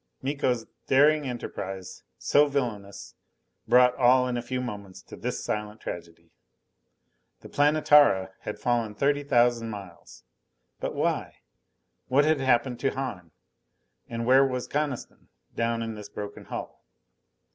Miko's daring enterprise so villainous brought all in a few moments to this silent tragedy. The Planetara had fallen thirty thousand miles. But why? What had happened to Hahn? And where was Coniston, down in this broken hull?